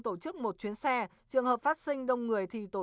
tổ chức một chuyến xe trường hợp phát sinh đông người thì tổ